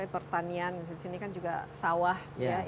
pertanian disini kan juga sawah